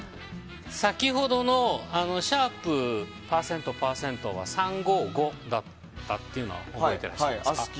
先ほどの＃、％、％が３５５だったというのは覚えてらっしゃいますか？